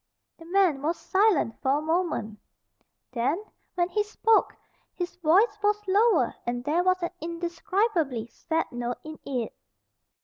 The man was silent for a moment. Then, when he spoke, his voice was lower and there was an indescribably sad note in it.